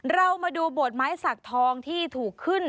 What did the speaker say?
เรามาดูโบดไม้สักทองที่ถูกขึ้น